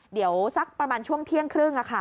เดี๋ยวสักประมาณช่วงเที่ยงครึ่ง